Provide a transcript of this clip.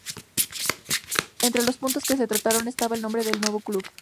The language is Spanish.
Entre los puntos que se trataron, estaba el nombre del nuevo club.